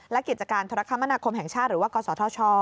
และกิจการธุรกรรมนาคมแห่งชาติหรือว่ากศธช